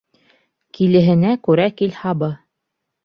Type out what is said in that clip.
Килеһенә күрә килһабы.